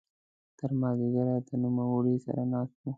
تر ماذیګره د نوموړي سره ناست وو.